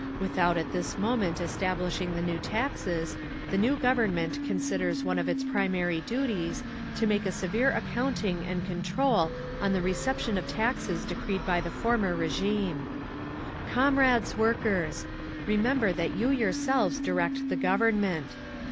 Without at this moment establishing the new taxes, the new Government considers one of its primary duties to make a severe accounting and control on the reception of taxes decreed by the former régime…. "Comrades workers! Remember that you yourselves direct the Government.